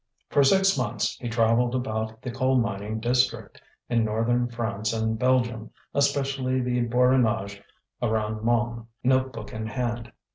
For six months he travelled about the coal mining district in northern France and Belgium, especially the Borinage around Mons, note book in hand.